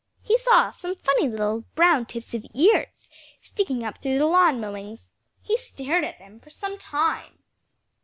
He saw some funny little brown tips of ears sticking up through the lawn mowings. He stared at them for some time.